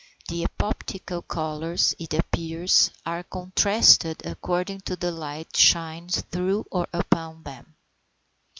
The epoptical colours, it appears, are contrasted according as the light shines through or upon them.